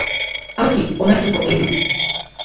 Aurki onartuko ei du.